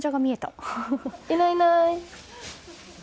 いないない。